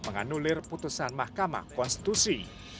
menganulir putusan mahkamah konstitusi